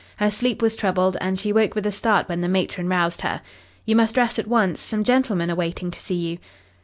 Her sleep was troubled, and she woke with a start when the matron roused her. "You must dress at once. Some gentlemen are waiting to see you."